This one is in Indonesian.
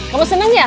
kamu seneng ya